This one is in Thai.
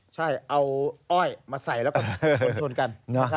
ใช่เอาอ้อยมาใส่แล้วก็คนชนกัน